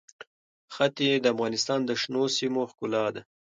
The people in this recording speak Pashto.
ښتې د افغانستان د شنو سیمو ښکلا ده.